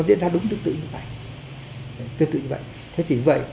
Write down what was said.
tiến hành bạo loạn để lật đổ chế độ